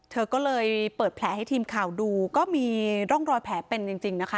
เธอก็เลยเปิดแผลให้ทีมข่าวดูก็มีร่องรอยแผลเป็นจริงนะคะ